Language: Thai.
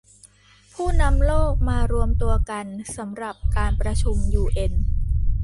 ผู้นำโลกมารวมตัวกันสำหรับการประชุมยูเอ็น